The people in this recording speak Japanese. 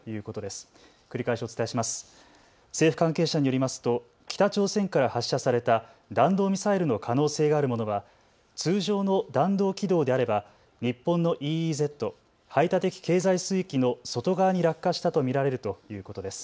政府関係者によりますと北朝鮮から発射された弾道ミサイルの可能性があるものは通常の弾道軌道であれば日本のＥＥＺ・排他的経済水域の外側に落下したと見られるということです。